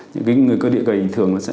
những người cơ địa gầy thường là sẽ